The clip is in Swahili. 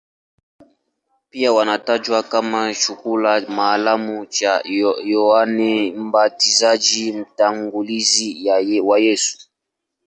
Pia wanatajwa kama chakula maalumu cha Yohane Mbatizaji, mtangulizi wa Yesu.